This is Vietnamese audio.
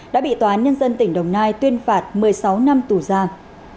đã bị tòa án nhân dân tỉnh đồng nai tuyên phạt một mươi sáu năm tù giam